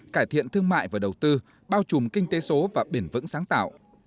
cải thiện thương mại và đầu tư bao trùm kinh tế số và biển vững sáng tạo